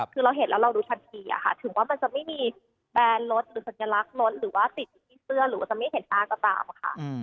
คือเราเห็นแล้วเรารู้ทันทีถึงว่ามันจะไม่มีแบรนด์รถหรือสัญลักษณ์รถหรือว่าติดอยู่ที่เสื้อหรือว่าจะไม่เห็นหน้าก็ตามค่ะ